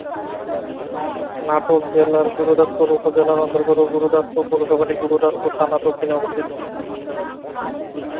নাটোর জেলার গুরুদাসপুর উপজেলার অন্তর্গত গুরুদাসপুর পৌরসভাটি গুরুদাসপুর থানার দক্ষিণে অবস্থিত।